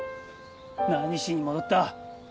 何しに戻った？